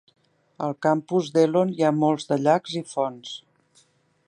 Al campus d'Elon hi ha molts de llacs i fonts.